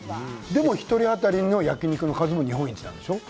１人当たりの焼き肉の数も日本一なんでしょう？